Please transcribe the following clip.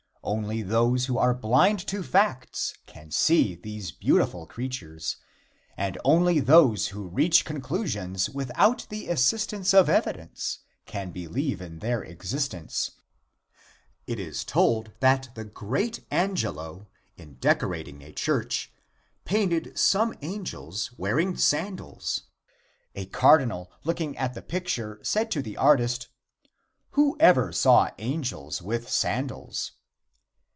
Only those who are blind to facts can see these beautiful creatures, and only those who reach conclusions without the assistance of evidence can believe in their existence. It is told that the great Angelo, in decorating a church, painted some angels wearing sandals. A cardinal looking at the picture said to the artist: "Whoever saw angels with sandals?"